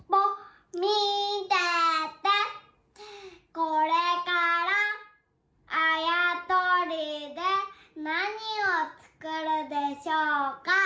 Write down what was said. これからあやとりでなにをつくるでしょうか？